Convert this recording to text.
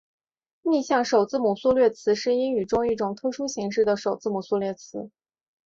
逆向首字母缩略词是英语中一种特殊形式的首字母缩略词。